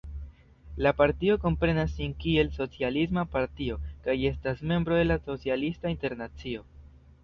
La partio komprenas sin kiel socialisma partio kaj estas membro de la Socialista Internacio.